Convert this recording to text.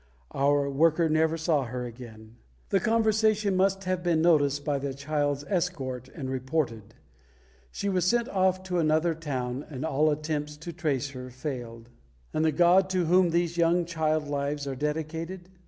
Our worker never saw her again. The conversation must have been noticed by the child's escort, and reported. She was sent off to another town, and all attempts to trace her failed. And the god to whom these young child lives are dedicated?